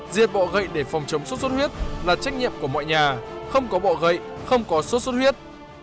diệt bọ gậy để phòng chống sốt xuất huyết là trách nhiệm của mọi nhà không có bọ gậy không có sốt xuất huyết